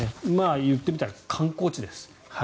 言ってみたら観光地です。